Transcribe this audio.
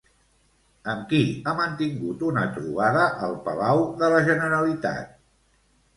Amb qui ha mantingut una trobada al Palau de la Generalitat?